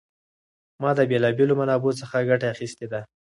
ما د بېلا بېلو منابعو څخه ګټه اخیستې ده.